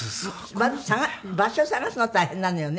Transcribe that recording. まず場所探すの大変なのよね。